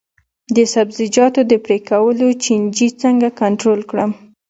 د سبزیجاتو د پرې کولو چینجي څنګه کنټرول کړم؟